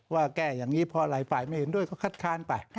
แก้อย่างนี้เพราะหลายฝ่ายไม่เห็นด้วยก็คัดค้านไป